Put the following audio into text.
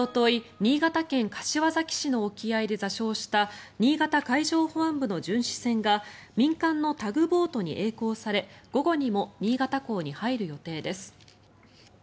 新潟県柏崎市の沖合で座礁した新潟海上保安部の巡視船が民間のタグボートにえい航され午後にも新潟港に入る予定です。